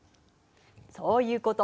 そういうこと。